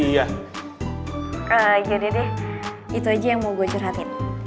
yaudah deh itu aja yang mau gue curhatin